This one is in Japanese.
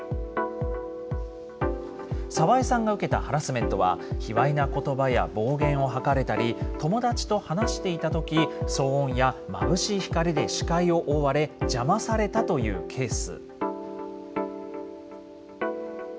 さわえさんが受けたハラスメントは、卑わいなことばや暴言を吐かれたり、友達と話していたとき、騒音やまぶしい光で視界を覆われ、邪魔されたというケース。